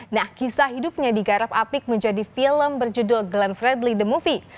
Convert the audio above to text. nah kisah hidupnya digarap apik menjadi film berjudul glenn fredly the movie